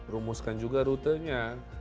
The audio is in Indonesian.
rumuskan juga rutenya